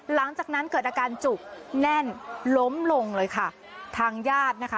หลังจากนั้นเกิดอาการจุกแน่นล้มลงเลยค่ะทางญาตินะคะ